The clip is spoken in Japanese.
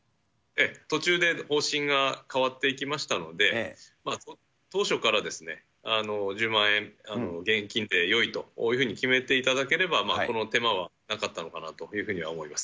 途中で方針が変わっていきましたので、当初から１０万円現金でよいというふうに決めていただければ、この手間はなかったのかなというふうには思います。